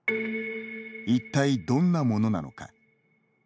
一体どんなものなのか。